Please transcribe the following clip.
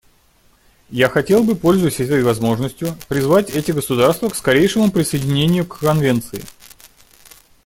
Я хотел бы, пользуясь этой возможностью, призвать эти государства к скорейшему присоединению к Конвенции.